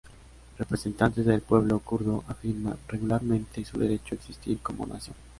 Representantes del pueblo kurdo afirman regularmente su derecho a existir como nación.